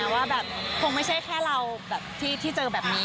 ว่าคงไม่ใช่แค่เราที่เจอแบบนี้